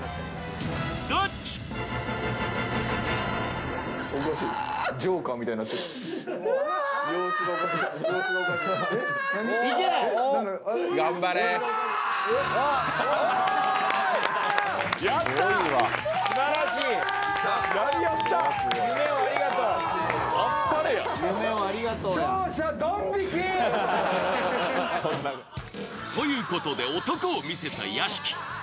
どっち？ということで男を見せた屋敷。